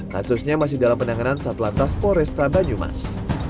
kasusnya masih dalam penanganan satelan tasporesta banyumas